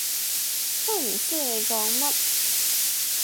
都唔知你講乜